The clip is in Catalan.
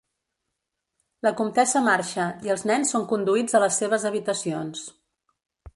La comtessa marxa i els nens són conduïts a les seves habitacions.